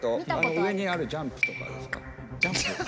上にある「ジャンプ」とかですか？